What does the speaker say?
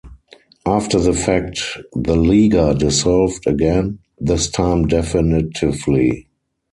After the fact, the Liga dissolved again, this time definitively.